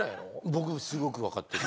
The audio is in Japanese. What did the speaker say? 僕すごく分かってる。